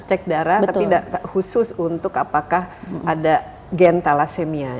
cek darah tapi khusus untuk apakah ada gen thalassemia